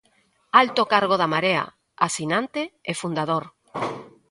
Alto cargo da Marea, asinante e fundador.